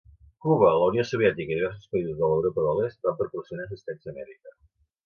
Cuba, la Unió Soviètica i diversos països de l'Europa de l'Est van proporcionar assistència mèdica.